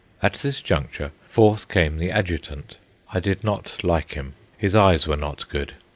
At this juncture forth came the adjutant. I did not like him. His eyes were not good.